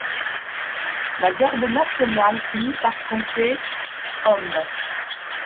La garde nationale finit par compter hommes.